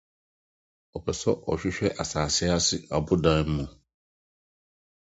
Ɔpɛ sɛ ɔhwehwɛ asase ase abodan mu.